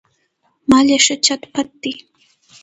مال یې ښه چت پت دی.